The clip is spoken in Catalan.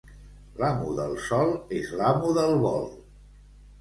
L'amo del sòl és l'amo del vol.